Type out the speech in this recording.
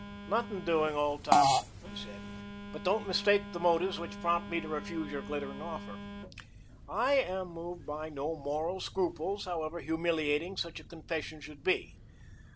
"Nothing doing, old top," he said. "But don't mistake the motives which prompt me to refuse your glittering offer. I am moved by no moral scruples, however humiliating such a confession should be.